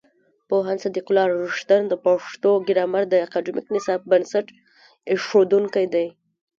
پوهاند صدیق الله رښتین د پښتو ګرامر د اکاډمیک نصاب بنسټ ایښودونکی دی.